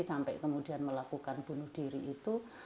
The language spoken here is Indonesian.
sampai kemudian melakukan bunuh diri itu